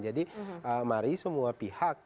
jadi mari semua pihak